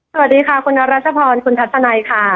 สวัสดีค่ะคุณนรัชพรคุณทัศนัยค่ะ